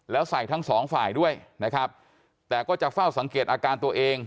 แล้วใส่ทั้งสองฝ่ายด้วยนะครับแต่ก็จะเฝ้าสังเกตอาการตัวเอง